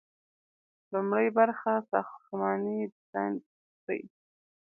لومړی برخه ساختماني ډیزاین دی.